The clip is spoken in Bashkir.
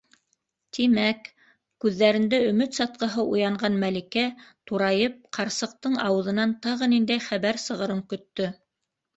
Тимәк... - күҙҙәрендә өмөт сатҡыһы уянған Мәликә, турайып, ҡарсыҡтың ауыҙынан тағы ниндәй хәбәр сығырын көттө.